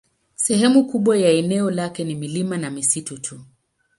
Sehemu kubwa ya eneo lake ni milima na misitu tu.